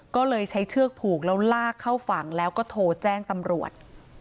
ก็เลยใช้เชือกผูกแล้วลากเข้าฝั่งแล้วก็โทรแจ้งตำรวจ